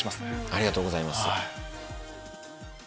ありがとうございます。